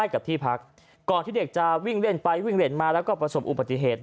กับที่พักก่อนที่เด็กจะวิ่งเล่นไปวิ่งเล่นมาแล้วก็ประสบอุบัติเหตุ